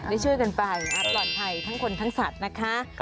ได้ช่วยกันไปปลอดภัยทั้งคนทั้งสัตว์นะคะ